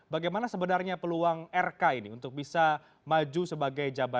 bagaimana sebenarnya peluang rk ini untuk bisa maju sebagai jabatan